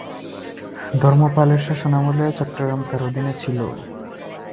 ধর্মপালের শাসনামলে চট্টগ্রাম তার অধীনে ছিল।